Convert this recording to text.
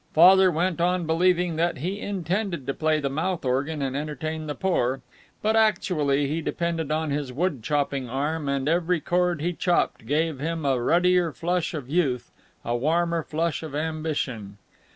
Father went on believing that he intended to play the mouth organ and entertain the poor, but actually he depended on his wood chopping arm, and every cord he chopped gave him a ruddier flush of youth, a warmer flush of ambition.